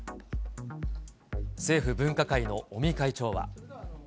政府分科会の尾身会長は。